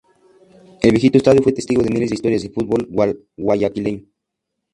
El viejo estadio fue testigo de miles de historias del fútbol guayaquileño.